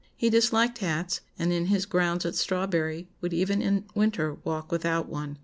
He disliked hats, and in his grounds at Strawberry would even in winter walk without one.